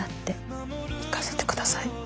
行かせて下さい。